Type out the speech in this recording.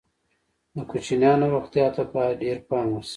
د کوچنیانو روغتیا ته باید ډېر پام وشي.